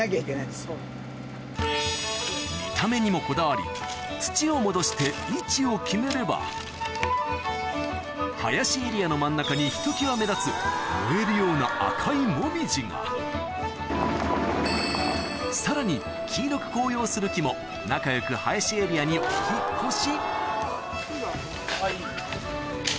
見た目にもこだわり土を戻して位置を決めれば林エリアの真ん中にひときわ目立つ燃えるような赤いモミジがさらに黄色く紅葉する木も仲良く林エリアにお引っ越し